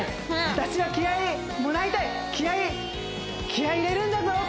私は気合もらいたい気合気合入れるんだぞ！